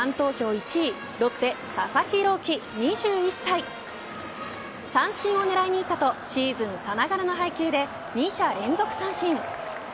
１位ロッテ佐々木朗希２１歳三振を狙いにいったとシーズンさながらの配球で二者連続三振。